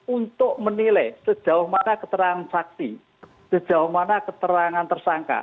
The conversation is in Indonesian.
untuk menilai sejauh mana keterangan saksi sejauh mana keterangan tersangka